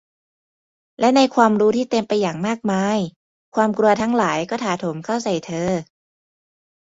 และในความรู้ที่เต็มไปอย่างมากมาย ความกลัวทั้งหลายก็ถาโถมเข้าใส่เธอ